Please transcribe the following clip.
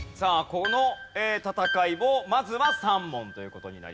この戦いもまずは３問という事になります。